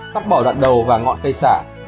cắt bỏ đạn đầu và ngọn cây sả